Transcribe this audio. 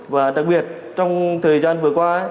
và đặc biệt trong thời gian vừa qua